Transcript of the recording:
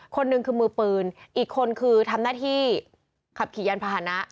คนหนึ่งคือมือปืนอีกคนคือทำหน้าที่ขับขี่ยานพาหนะ